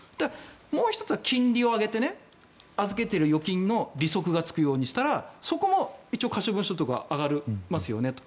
もう１つは金利を上げて預けている預金の利息がつくようにしたらそこも一応可処分所得が増えますよねと。